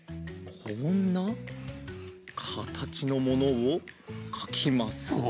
こんなかたちのものをかきます。